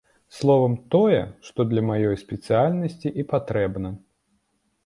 Словам, тое, што для маёй спецыяльнасці і патрэбна.